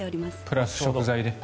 プラス食材で。